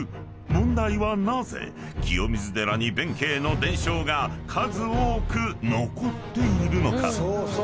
［問題はなぜ清水寺に弁慶の伝承が数多く残っているのか？］